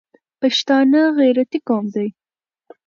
پښتانه غیرتي قوم دي